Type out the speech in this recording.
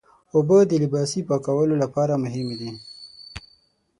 اوبه د لباسي پاکولو لپاره مهمې دي.